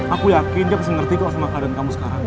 aku yakin dia pasti ngerata itu kisesama kapal kamu sekarang